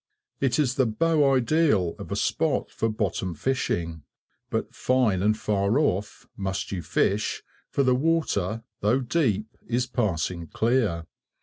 It is the beau ideal of a spot for bottom fishing, but "fine and far off" must you fish, for the water, though deep, is passing clear.